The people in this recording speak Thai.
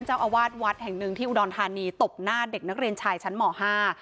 เจ้าอาวาสวัดแห่งหนึ่งที่อุดรธานีตบหน้าเด็กนักเรียนชายชั้นหมอห้า